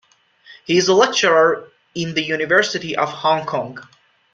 He is a lecturer in at the University of Hong Kong.